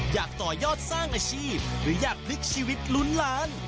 อยากต่อยอดสร้างอาชีพหรืออยากพลิกชีวิตลุ้นล้าน